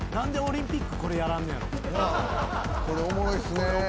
これおもろいっすね。